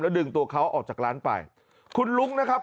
ดึงตัวเขาออกจากร้านไปคุณลุ้งนะครับ